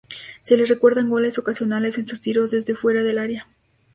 Se le recuerdan goles ocasionales en sus tiros desde fuera del área.